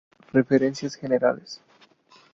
Referencias generales